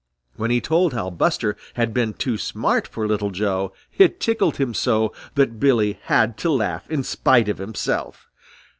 When he told how Buster had been too smart for Little Joe, it tickled him so that Billy had to laugh in spite of himself.